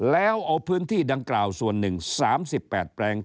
แล้วเอาพื้นที่ดังกล่าวส่วนหนึ่ง๓๘แปลง